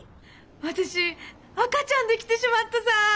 私赤ちゃんできてしまったさ！